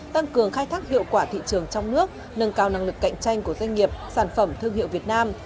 tăng cường khai thác hiệu quả thị trường trong nước nâng cao năng lực cạnh tranh của doanh nghiệp sản phẩm thương hiệu việt nam